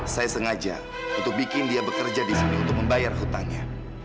saya sengaja untuk bikin dia bekerja di sini untuk membayar hutangnya